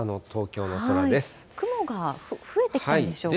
雲が増えてきたんでしょうか。